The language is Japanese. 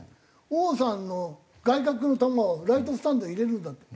王さんの外角の球をライトスタンドへ入れるんだって。